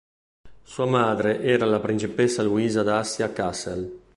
Sua madre era la Principessa Luisa d'Assia-Kassel.